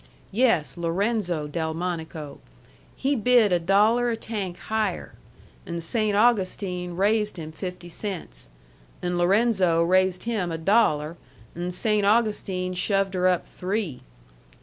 "Yes, Lorenzo Delmonico. He bid a dollar a tank higher. An' Saynt Augustine raised him fifty cents. An' Lorenzo raised him a dollar. An' Saynt Augustine shoved her up three.